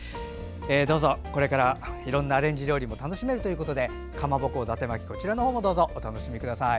どうぞこれからいろんなアレンジ料理も楽しめるということでかまぼこ、だて巻きもお楽しみください。